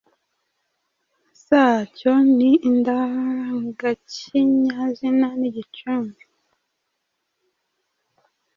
zacyo ni indangakinyazina n’igicumbi